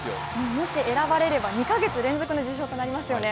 もし選ばれれば２か月連続の受賞となりますね。